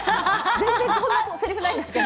全然こんなせりふないんですけど。